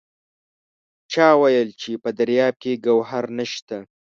چا وایل چې په دریاب کې ګوهر نشته!